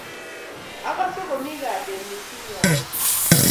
Akase komi kalyet mising ya kitinye